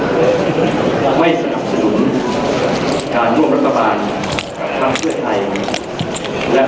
แต่ผมก็ไม่สนับสนุนการร่วมรัทบาททั้งเพื่อนไทย